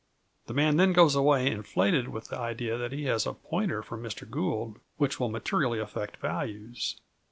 The man then goes away inflated with the idea that he has a pointer from Mr. Gould which will materially affect values.